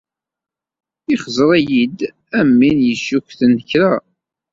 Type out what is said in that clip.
Ixẓer-iyi-d am win yeccukten kra.